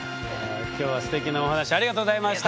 今日はステキなお話ありがとうございました。